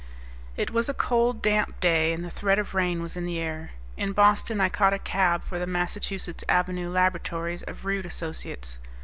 It was a cold damp day, and the threat of rain was in the air. In Boston I caught a cab for the Massachusetts Avenue laboratories of Rude Associates.